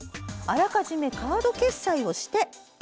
あらかじめカード決済して。